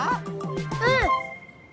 うん！